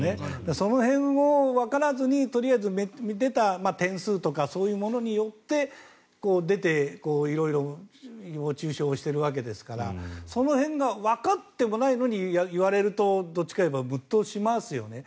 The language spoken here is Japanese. その辺をわからずに出た点数とかそういうものによって色々誹謗・中傷をしているわけですからその辺がわかってもないのに言われるとどっちかというとムッとしますよね。